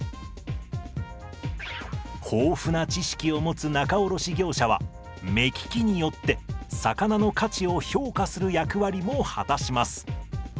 豊富な知識を持つ仲卸業者は目利きによって魚の価値を評価する役割も果たします。